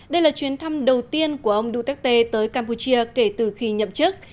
đây là chuyến thăm đầu tiên của ông duterte tới campuchia kể từ khi nhậm chức